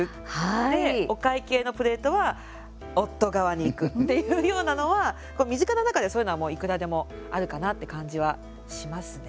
で、お会計のプレートは夫側にいくっていうようなのは身近な中で、そういうのはもういくらでもあるかなって感じはしますね。